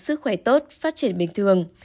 sức khỏe tốt phát triển bình thường